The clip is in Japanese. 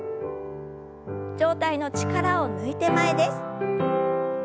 上体の力を抜いて前です。